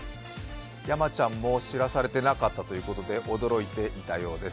山ちゃんも知らされてなかったということで驚いていたようです。